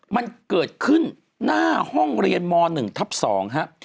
มันเกิดขึ้นหน้าห้องเรียนม๑ทับ๒ครับ